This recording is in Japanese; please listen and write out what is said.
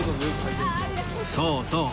そうそう！